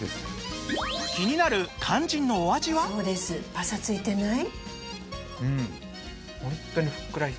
パサついてない？